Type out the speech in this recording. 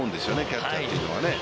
キャッチャーというのはね。